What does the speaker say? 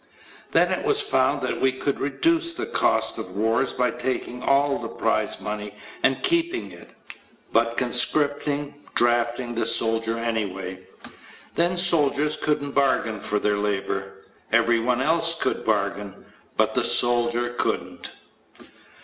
Then it was found that we could reduce the cost of wars by taking all the prize money and keeping it, but conscripting [drafting] the soldier anyway. Then soldiers couldn't bargain for their labor. Everyone else could bargain, but the soldier couldn't.